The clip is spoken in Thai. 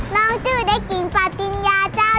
น้องจือเด็กหญิงป่าจินยาเจ้า